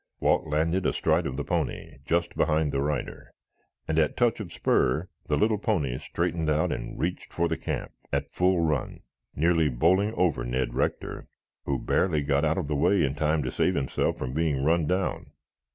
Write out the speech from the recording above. Walt landed astride of the pony just behind the rider, and at touch of spur the little pony straightened out and reached for the camp at a full run, nearly bowling over Ned Rector, who barely got out of the way in time to save himself from being run down.